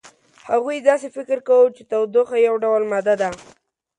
هغوی داسې فکر کاوه چې تودوخه یو ډول ماده ده.